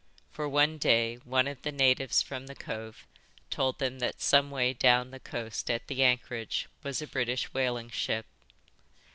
For one day one of the natives from the cove told them that some way down the coast at the anchorage was a British whaling ship."